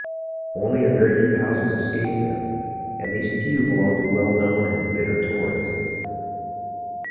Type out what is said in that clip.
Only a very few houses escaped them, and_ these few belonged to well known and bitter Tories.